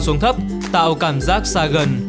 xuống thấp tạo cảm giác xa gần